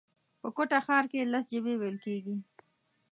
په کوټه ښار کښي لس ژبي ویل کېږي